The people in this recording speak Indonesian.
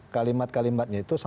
kalau ada yang